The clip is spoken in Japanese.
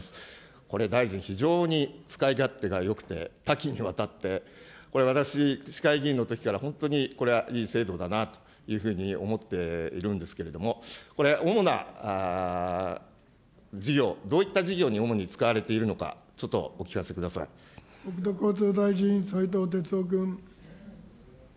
これ、大臣、非常に使い勝手がよくて、多岐にわたって、これ、私、市会議員のときから、本当にこれはいい制度だなというふうに思っているんですけれども、これ、主な事業、どういった事業に主に使われているのか、ちょっとお聞国土交通大臣、斉藤鉄夫君。